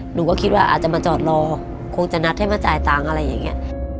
หนูก็คิดว่าอาจจะมาจอดรอคงจะนัดให้มาจ่ายตังค์อะไรอย่างนี้